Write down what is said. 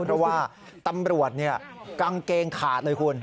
เพราะว่าตำรวจกางเกงขาดเลยคุณ